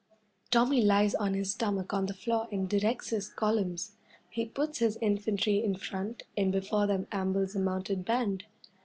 Tommy lies on his stomach on the floor and directs his columns. He puts his infantry in front, and before them ambles a mounted band.